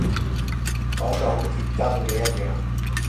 講到好似真嘅一樣